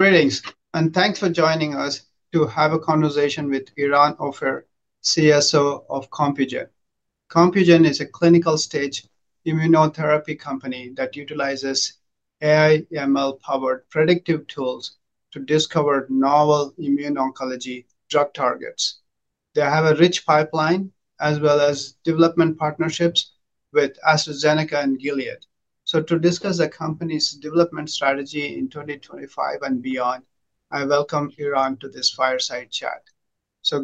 Greetings, and thanks for joining us to have a conversation with Eran Ophir, CSO of Compugen. Compugen is a clinical-stage immunotherapy company that utilizes AI/ML-powered predictive tools to discover novel immuno-oncology drug targets. They have a rich pipeline, as well as development partnerships with AstraZeneca and Gilead. To discuss the company's development strategy in 2025 and beyond, I welcome Eran to this fireside chat.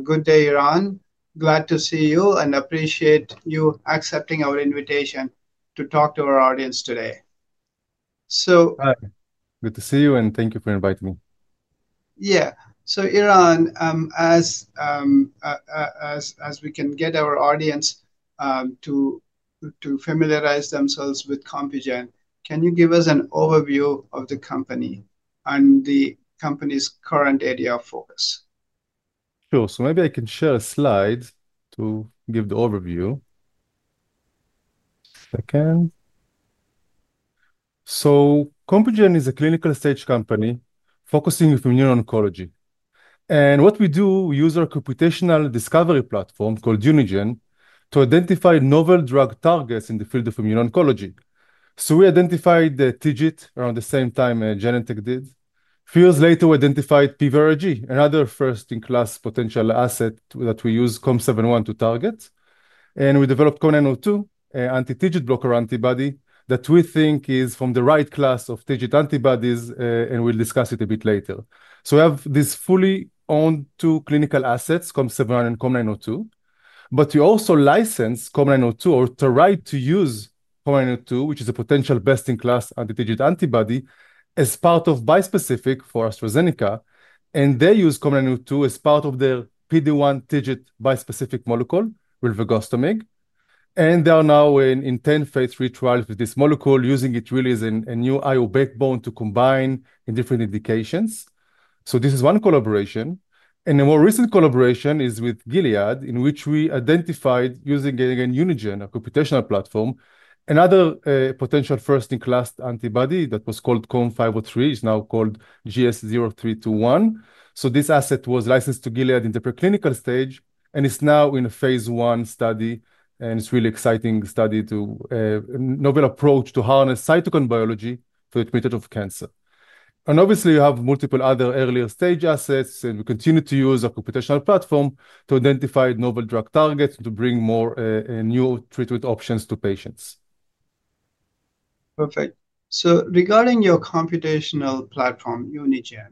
Good day, Eran. Glad to see you and appreciate you accepting our invitation to talk to our audience today. Hi, good to see you and thank you for inviting me. Yeah, Eran, as we can get our audience to familiarize themselves with Compugen, can you give us an overview of the company and the company's current area of focus? Sure, maybe I can share a slide to give the overview. Compugen is a clinical-stage company focusing on immuno-oncology. What we do is use our computational discovery platform called Unigen™ to identify novel drug targets in the field of immuno-oncology. We identified TIGIT around the same time Genentech did. A few years later, we identified PVRIG, another first-in-class potential asset that we use COM701 to target. We developed COM902, an anti-TIGIT antibody that we think is from the right class of TIGIT antibodies, and we'll discuss it a bit later. We have these fully owned two clinical assets, COM701 and COM902. You also license COM902, or the right to use COM902, which is a potential best-in-class anti-TIGIT antibody, as part of a bispecific for AstraZeneca. They use COM902 as part of their PD-1/TIGIT bispecific molecule, rilvegostomig. They are now in Phase III trials with this molecule, using it really as a new backbone to combine in different indications. This is one collaboration. A more recent collaboration is with Gilead, in which we identified, using again Unigen™, a computational platform, another potential first-in-class antibody that was called COM503; it's now called GS0321. This asset was licensed to Gilead in the preclinical stage, and it's now in a Phase I study. It's a really exciting study to a novel approach to harness cytokine biology for the treatment of cancer. Obviously, you have multiple other earlier stage assets, and we continue to use our computational platform to identify novel drug targets to bring more new treatment options to patients. Perfect. Regarding your computational platform, Unigen™,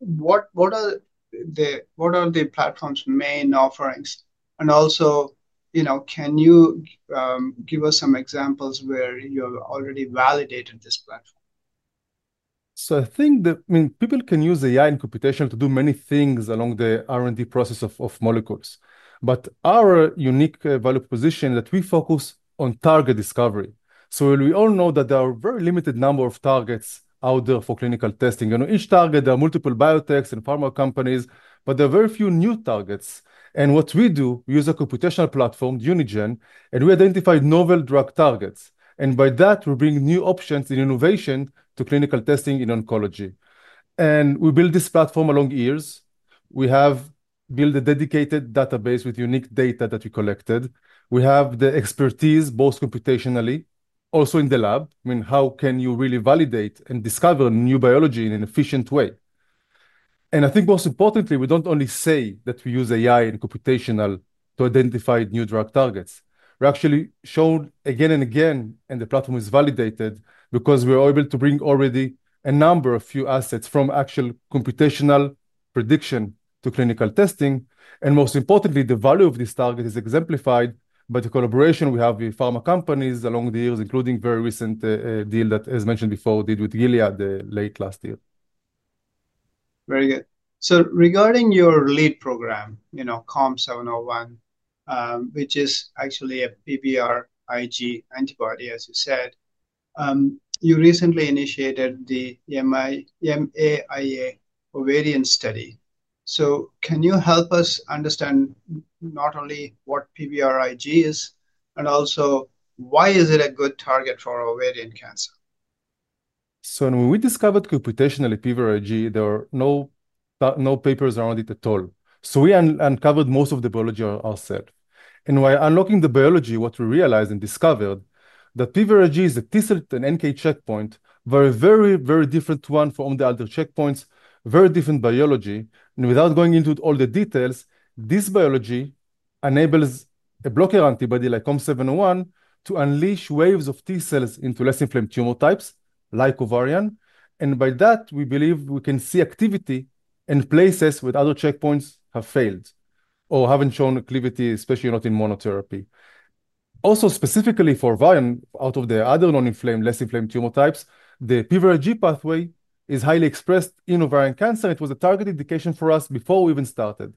what are the platform's main offerings? Also, can you give us some examples where you've already validated this platform? I think that people can use AI and computation to do many things along the R&D process of molecules. Our unique value proposition is that we focus on target discovery. We all know that there are a very limited number of targets out there for clinical testing. Each target, there are multiple biotechs and pharma companies, but there are very few new targets. What we do, we use a computational platform, Unigen™, and we identify novel drug targets. By that, we bring new options in innovation to clinical testing in oncology. We built this platform along years. We have built a dedicated database with unique data that we collected. We have the expertise, both computationally, also in the lab. How can you really validate and discover new biology in an efficient way? Most importantly, we do not only say that we use AI and computation to identify new drug targets. We have actually shown again and again, and the platform is validated because we are able to bring already a number of few assets from actual computational prediction to clinical testing. Most importantly, the value of this target is exemplified by the collaboration we have with pharma companies along the years, including a very recent deal that, as mentioned before, we did with Gilead late last year. Very good. Regarding your lead program, you know, COM701, which is actually a PVRIG antibody, as you said, you recently initiated the MAIA ovarian cancer study. Can you help us understand not only what PVRIG is, but also why it is a good target for ovarian cancer? When we discovered computationally PVRIG, there were no papers around it at all. We uncovered most of the biology ourselves. While unlocking the biology, what we realized and discovered is that PVRIG is a T-cell to NK checkpoint, a very, very different one from the other checkpoints, very different biology. Without going into all the details, this biology enables a blocker antibody like COM701 to unleash waves of T-cells into less inflamed tumor types, like ovarian. By that, we believe we can see activity in places where other checkpoints have failed or haven't shown activity, especially not in monotherapy. Specifically for ovarian, out of the other non-inflamed, less inflamed tumor types, the PVRIG pathway is highly expressed in ovarian cancer. It was a target indication for us before we even started.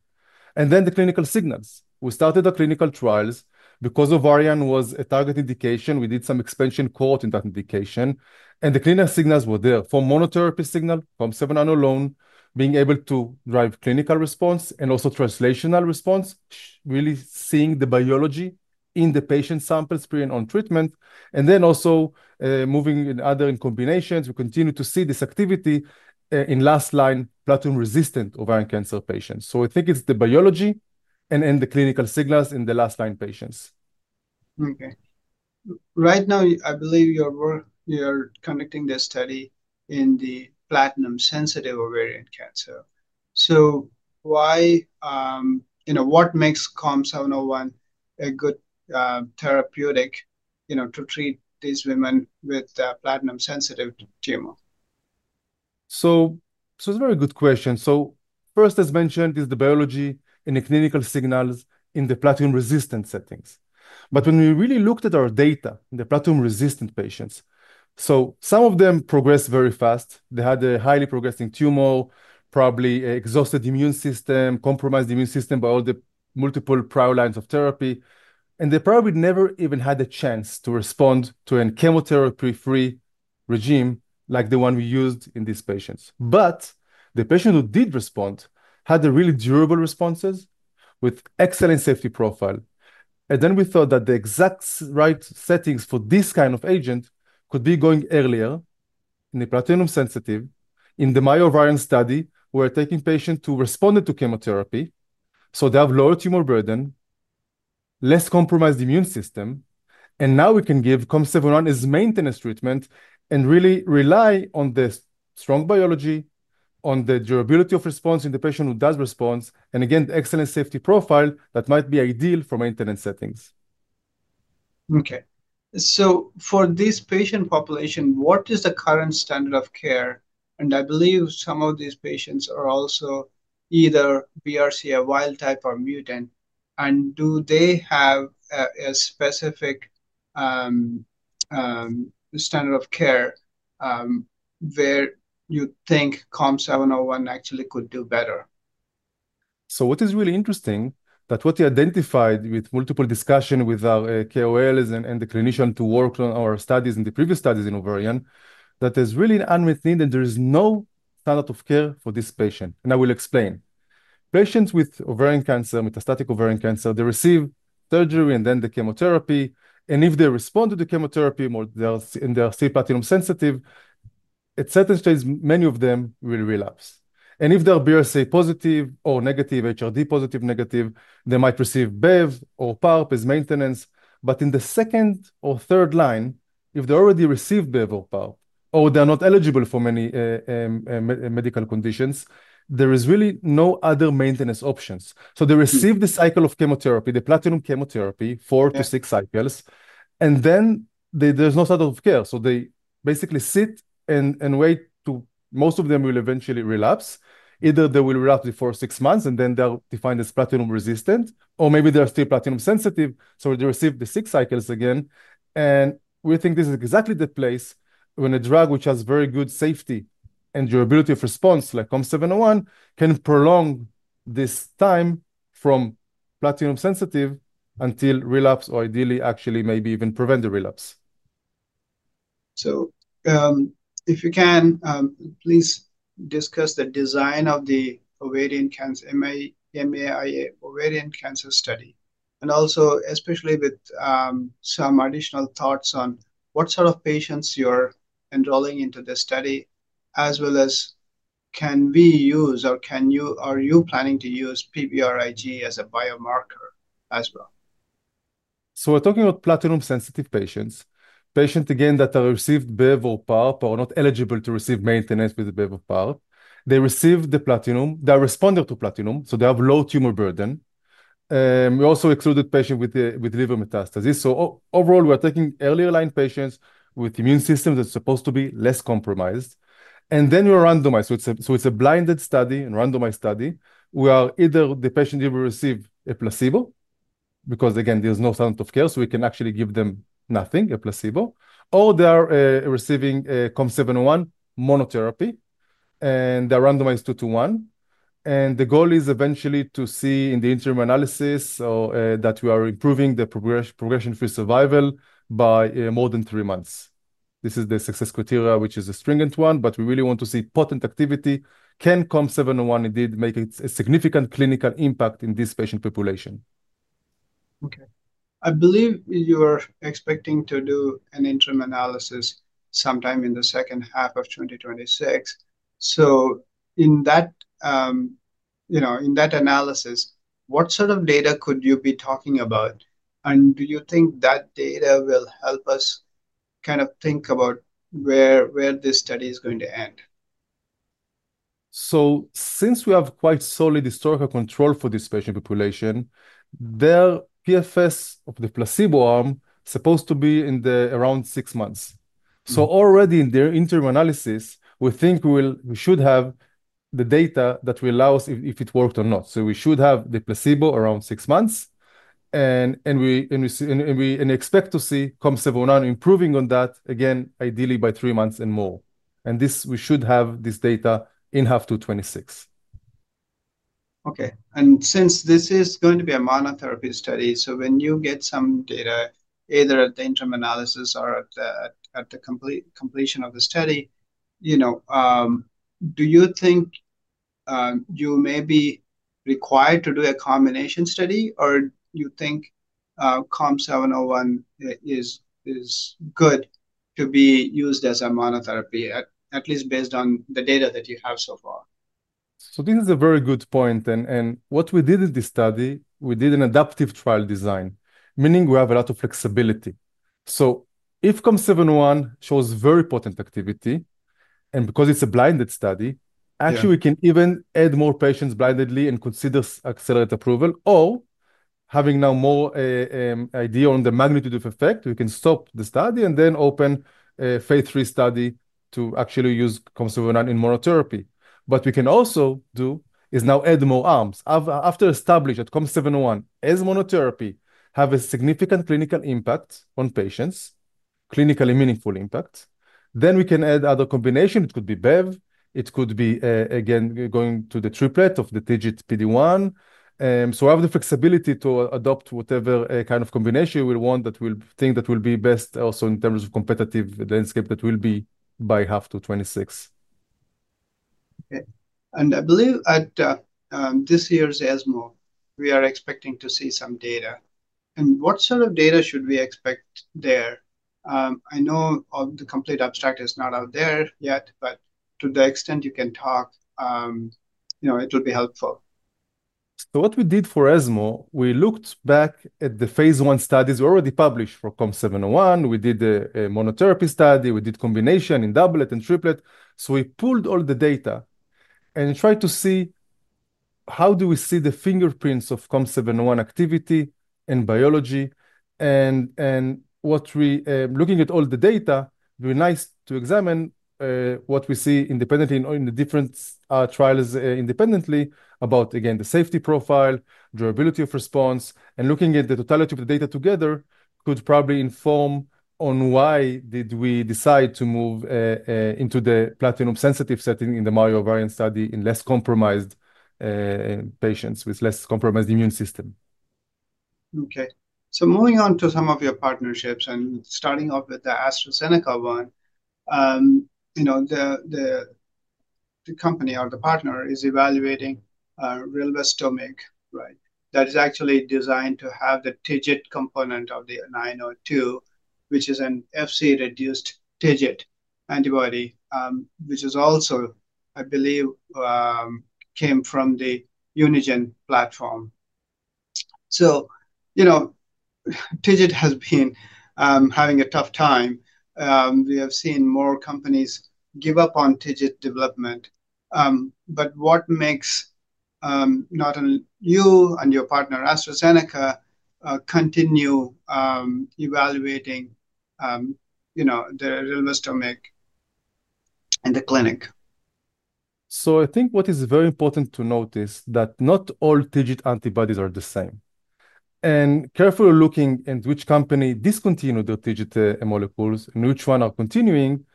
The clinical signals. We started our clinical trials because ovarian was a target indication. We did some expansion cohorts in that indication. The clinical signals were there from monotherapy signal, COM701 alone, being able to drive clinical response and also translational response, really seeing the biology in the patient sample screen on treatment. Also moving in other combinations, we continue to see this activity in last-line platinum-resistant ovarian cancer patients. I think it's the biology and then the clinical signals in the last-line patients. Okay. Right now, I believe you're working on conducting the study in the platinum-sensitive ovarian cancer. What makes COM701 a good therapeutic to treat these women with platinum-sensitive tumor? It's a very good question. First, as mentioned, it's the biology and the clinical signals in the platinum-resistant settings. When we really looked at our data in the platinum-resistant patients, some of them progressed very fast. They had a highly progressing tumor, probably an exhausted immune system, a compromised immune system by all the multiple prior lines of therapy. They probably never even had a chance to respond to a chemotherapy-free regime like the one we used in these patients. The patients who did respond had really durable responses with excellent safety profiles. We thought that the exact right settings for this kind of agent could be going earlier in the platinum-sensitive. In the MAIA ovarian cancer study, we're taking patients who responded to chemotherapy. They have lower tumor burden, less compromised immune system. Now we can give COM701 as maintenance treatment and really rely on the strong biology, on the durability of response in the patient who does respond, and again, the excellent safety profile that might be ideal for maintenance settings. For this patient population, what is the current standard of care? I believe some of these patients are also either BRCA wild type or mutant. Do they have a specific standard of care where you think COM701 actually could do better? What is really interesting is that what we identified with multiple discussions with our KOLs and the clinicians who worked on our studies and the previous studies in ovarian, that there's really an unmet need and there is no standard of care for this patient. I will explain. Patients with ovarian cancer, metastatic ovarian cancer, they receive surgery and then the chemotherapy. If they respond to the chemotherapy and they are still platinum-sensitive, at certain stages, many of them will relapse. If they are BRCA positive or negative, HRD positive or negative, they might receive BEV or PARP as maintenance. In the second or third line, if they already receive BEV or PARP, or they're not eligible for many medical conditions, there are really no other maintenance options. They receive the cycle of chemotherapy, the platinum chemotherapy, 4 cycles-6 cycles. There is no standard of care. They basically sit and wait to most of them will eventually relapse. Either they will relapse before six months, and then they're defined as platinum-resistant, or maybe they're still platinum-sensitive. They receive the six cycles again. We think this is exactly the place when a drug which has very good safety and durability of response like COM701 can prolong this time from platinum-sensitive until relapse, or ideally, actually maybe even prevent the relapse. Please discuss the design of the MAIA ovarian cancer study, especially with some additional thoughts on what sort of patients you're enrolling into the study, as well as if we can use or if you are planning to use PVRIG as a biomarker as well. We're talking about platinum-sensitive patients, patients that have received BEV or PARP or are not eligible to receive maintenance with BEV or PARP. They receive the platinum, they responded to platinum, so they have low tumor burden. We also excluded patients with liver metastases. Overall, we are taking earlier line patients with immune systems that are supposed to be less compromised. We randomize; it's a blinded study and randomized study. Either the patient will receive a placebo, because there's no standard of care, so we can actually give them nothing, a placebo, or they are receiving COM701 monotherapy, and they're randomized two to one. The goal is eventually to see in the interim analysis that we are improving the progression-free survival by more than three months. This is the success criteria, which is a stringent one, but we really want to see potent activity. Can COM701 indeed make a significant clinical impact in this patient population? Okay. I believe you are expecting to do an interim analysis sometime in the second half of 2026. In that analysis, what sort of data could you be talking about? Do you think that data will help us kind of think about where this study is going to end? Since we have quite solid historical control for this patient population, their PFS of the placebo arm is supposed to be around six months. Already in their interim analysis, we think we should have the data that will allow us if it worked or not. We should have the placebo around six months, and we expect to see COM701 improving on that, again, ideally by three months and more. We should have this data in half 2026. Okay. Since this is going to be a monotherapy study, when you get some data either at the interim analysis or at the completion of the study, do you think you may be required to do a combination study? Do you think COM701 is good to be used as a monotherapy, at least based on the data that you have so far? This is a very good point. What we did in this study, we did an adaptive trial design, meaning we have a lot of flexibility. If COM701 shows very potent activity, and because it's a blinded study, actually, we can even add more patients blindedly and consider accelerated approval. Having now more idea on the magnitude of effect, we can stop the study and then open a Phase III study to actually use COM701 in monotherapy. We can also add more arms. After establishing that COM701 as monotherapy has a significant clinical impact on patients, clinically meaningful impact, then we can add other combinations. It could be BEV. It could be, again, going to the triplet of the TIGIT PD-1. We have the flexibility to adopt whatever kind of combination we want that we think will be best also in terms of competitive landscape that will be by half 2026. I believe at this year's ESMO, we are expecting to see some data. What sort of data should we expect there? I know the complete abstract is not out there yet, but to the extent you can talk, it'll be helpful. For ESMO, we looked back at the Phase I studies we already published for COM701. We did a monotherapy study and did combination in doublet and triplet. We pulled all the data and tried to see how we see the fingerprints of COM701 activity and biology. Looking at all the data, it would be nice to examine what we see independently in the different trials independently about, again, the safety profile and durability of response. Looking at the totality of the data together could probably inform on why we decided to move into the platinum-sensitive setting in the MAIA ovarian cancer study in less compromised patients with less compromised immune system. Okay. Moving on to some of your partnerships and starting off with the AstraZeneca one, the company or the partner is evaluating rilvegostomig, right? That is actually designed to have the TIGIT component of the 902, which is an Fc-reduced TIGIT antibody, which also, I believe, came from the Unigen™ platform. TIGIT has been having a tough time. We have seen more companies give up on TIGIT development. What makes not only you and your partner, AstraZeneca, continue evaluating the relvegostomig in the clinic? I think what is very important to note is that not all TIGIT antibodies are the same. Carefully looking at which company discontinued their TIGIT molecules and which ones are continuing,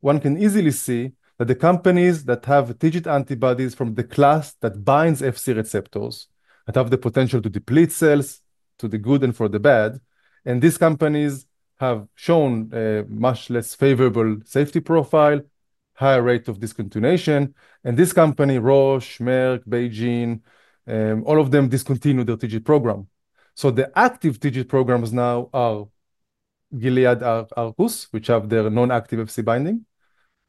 one can easily see that the companies that have TIGIT antibodies from the class that binds FC receptors have the potential to deplete cells to the good and for the bad. These companies have shown a much less favorable safety profile and a higher rate of discontinuation. Roche, Merck, and BeiGene, all of them discontinued their TIGIT program. The active TIGIT programs now are Gilead and Arcus, which have their non-active FC binding,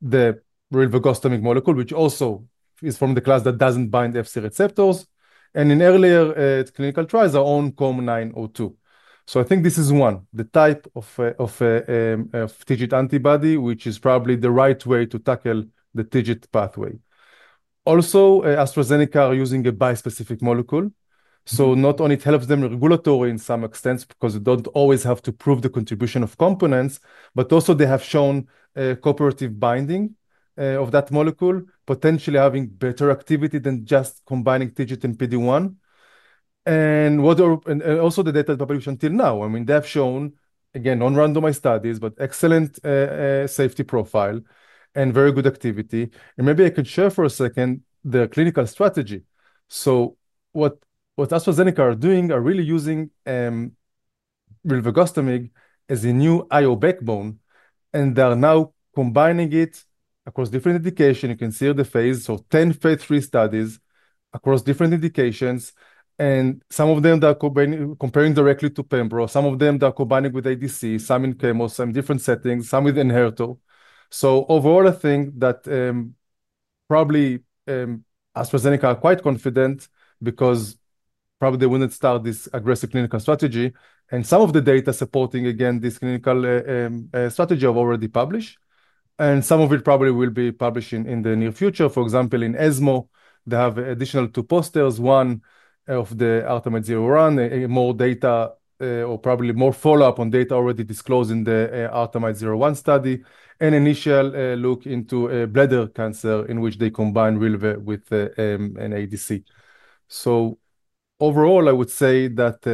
the rilvegostomig molecule, which also is from the class that doesn't bind FC receptors, and in earlier clinical trials are on COM902. I think this is one, the type of TIGIT antibody, which is probably the right way to tackle the TIGIT pathway. Also, AstraZeneca is using a bispecific molecule. Not only does this help them from a regulatory standpoint to some extent because they don't always have to prove the contribution of components, but also they have shown cooperative binding of that molecule, potentially having better activity than just combining TIGIT and PD-1. The data that we've shown till now, I mean, they have shown, again, non-randomized studies, but excellent safety profile and very good activity. Maybe I can share for a second the clinical strategy. What AstraZeneca is doing is really using relvegostomig as a new IO backbone. They are now combining it across different indications. You can see the phase, so 10 phase III studies across different indications. In some of them they are comparing directly to pembrolizumab. In some of them they are combining with ADC, some in chemo, some different settings, some with inhibitor. Overall, I think that probably AstraZeneca is quite confident because probably they wouldn't start this aggressive clinical strategy. Some of the data supporting this clinical strategy have already been published. Some of it probably will be published in the near future. For example, in ESMO, they have additional two posters, one of the ARTEMIDE-01, more data, or probably more follow-up on data already disclosed in the ARTEMIDE-01 study, and an initial look into bladder cancer in which they combine relvegostomig with an ADC. Overall, I would say that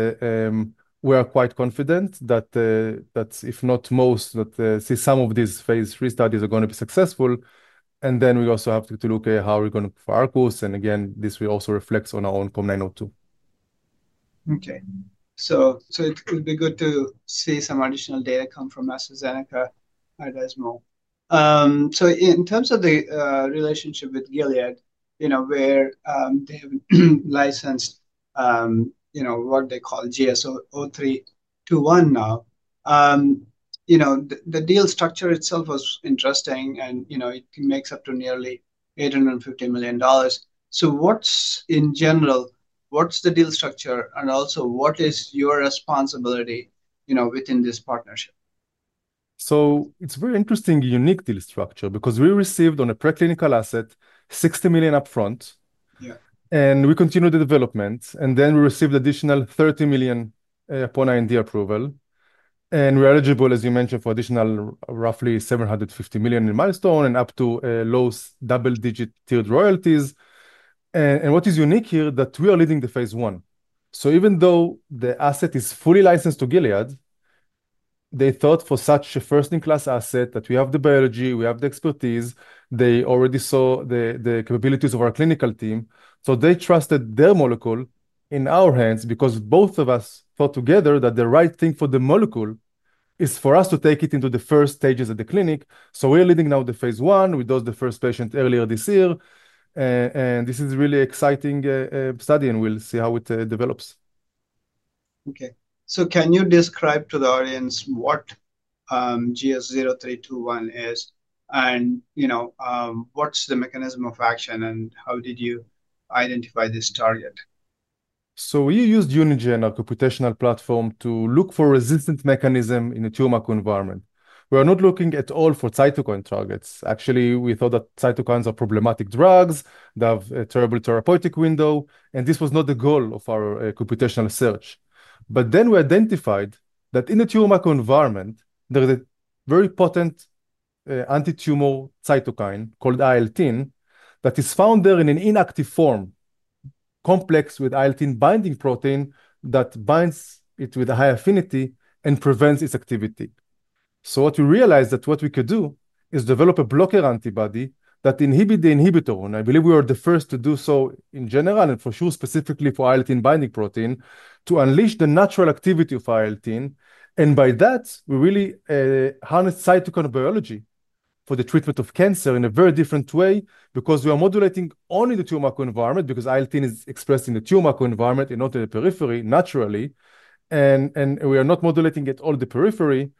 we are quite confident that if not most, then some of these phase III studies are going to be successful. We also have to look at how we're going to prepare our course. This will also reflect on our own COM902. Okay. It would be good to see some additional data come from AstraZeneca at ESMO. In terms of the relationship with Gilead, where they have licensed what they call GS0321 now, the deal structure itself was interesting. It makes up to nearly $850 million. In general, what's the deal structure? Also, what is your responsibility within this partnership? It's a very interesting, unique deal structure because we received on a preclinical asset $60 million upfront. We continued the development, then we received additional $30 million upon IND approval. We're eligible, as you mentioned, for additional roughly $750 million in milestone and up to low double-digit tiered royalties. What is unique here is that we are leading the Phase I. Even though the asset is fully licensed to Gilead, they thought for such a first-in-class asset that we have the biology, we have the expertise, they already saw the capabilities of our clinical team. They trusted their molecule in our hands because both of us thought together that the right thing for the molecule is for us to take it into the first stages of the clinic. We're leading now the Phase I. We dosed the first patient earlier this year. This is a really exciting study, and we'll see how it develops. Okay. Can you describe to the audience what GS0321 is? What's the mechanism of action? How did you identify this target? We used Unigen™, our computational platform, to look for a resistant mechanism in a tumor environment. We are not looking at all for cytokine targets. Actually, we thought that cytokines are problematic drugs. They have a terrible therapeutic window. This was not the goal of our computational search. We identified that in a tumor environment, there is a very potent anti-tumor cytokine called IL-10 that is found there in an inactive form, complex with IL-10 binding protein that binds it with a high affinity and prevents its activity. What we realized is that what we could do is develop a blocker antibody that inhibits the inhibitor. I believe we were the first to do so in general, and for sure specifically for IL-10 binding protein, to unleash the natural activity of IL-10. By that, we really harnessed cytokine biology for the treatment of cancer in a very different way because we are modulating only the tumor environment because IL-10 is expressed in the tumor environment and not in the periphery naturally. We are not modulating at all the periphery.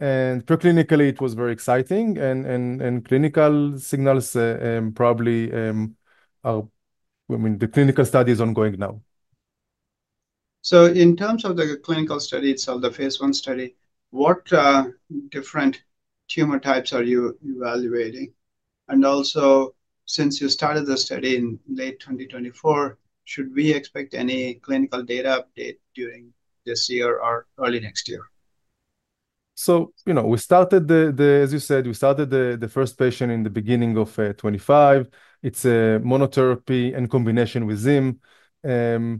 Preclinically, it was very exciting. Clinical signals probably are, I mean, the clinical study is ongoing now. In terms of the clinical study itself, the Phase I study, what different tumor types are you evaluating? Also, since you started the study in late 2024, should we expect any clinical data update during this year or early next year? We started the first patient in the beginning of 2025. It's a monotherapy in combination with Zym. We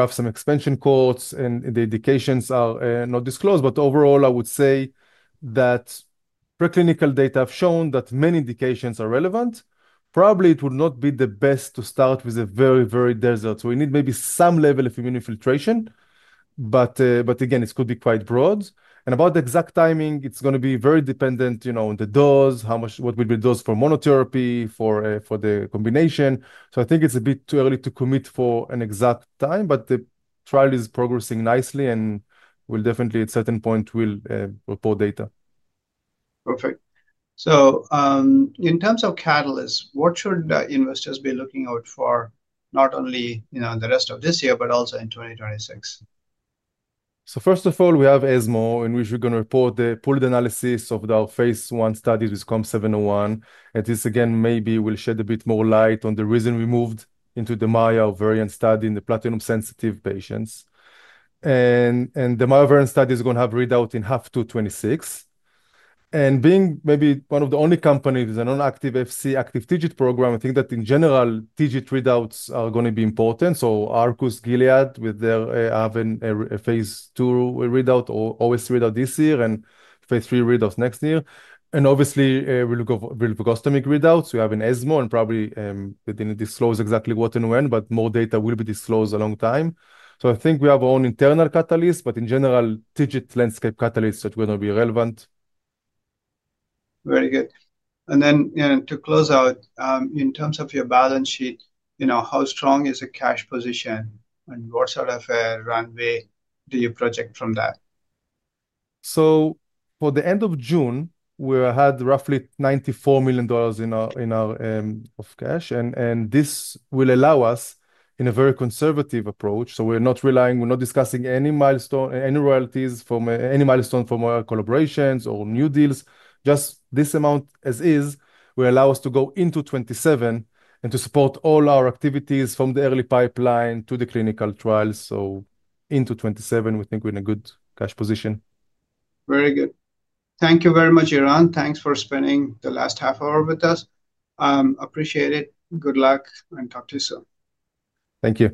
have some expansion cohorts and the indications are not disclosed. Overall, I would say that preclinical data have shown that many indications are relevant. Probably it would not be the best to start with a very, very desert. We need maybe some level of immune infiltration. Again, it could be quite broad. About the exact timing, it's going to be very dependent on the dose, what will be dosed for monotherapy, for the combination. I think it's a bit too early to commit for an exact time. The trial is progressing nicely. We'll definitely, at a certain point, report data. In terms of catalysts, what should investors be looking out for, not only in the rest of this year, but also in 2026? First of all, we have ESMO, in which we're going to report the pooled analysis of our phase I studies with COM701. This, again, maybe will shed a bit more light on the reason we moved into the MAIA ovarian cancer study in the platinum-sensitive patients. The MAIA ovarian cancer study is going to have readout in half to 2026. Being maybe one of the only companies with a non-active Fc, active TIGIT program, I think that in general, TIGIT readouts are going to be important. Arcus, Gilead, with their, I have a phase II readout or OS readout this year and phase III readout next year. Obviously, relvegostomig readouts. We have an ESMO and probably we didn't disclose exactly what and when, but more data will be disclosed along time. I think we have our own internal catalyst, but in general, TIGIT landscape catalysts that are going to be relevant. Very good. To close out, in terms of your balance sheet, how strong is the cash position? What sort of a runway do you project from that? At the end of June, we had roughly $94 million in our cash. This will allow us, in a very conservative approach, we're not relying, we're not discussing any royalties from any milestone from our collaborations or new deals. Just this amount as is will allow us to go into 2027 and to support all our activities from the early pipeline to the clinical trials. Into 2027, we think we're in a good cash position. Very good. Thank you very much, Eran. Thanks for spending the last half hour with us. Appreciate it. Good luck and talk to you soon. Thank you.